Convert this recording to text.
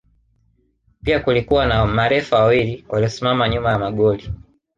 Pia kulikuwa na marefa wawili waliosimama nyuma ya magoli